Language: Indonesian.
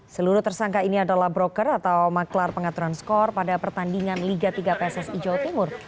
seluruh tersangka ini adalah broker atau maklar pengaturan skor pada pertandingan liga tiga pssi jawa timur